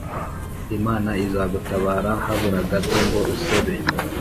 Imana izagutabara haburagato ngo usebe